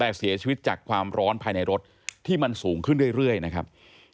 แต่เสียชีวิตจากความร้อนภายในรถที่มันสูงขึ้นเรื่อยนะครับ